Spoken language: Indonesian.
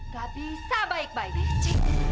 gak bisa baik baik